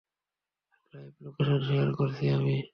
Live location share করছি আমি।